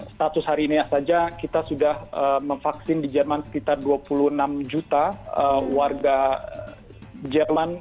status hari ini saja kita sudah memvaksin di jerman sekitar dua puluh enam juta warga jerman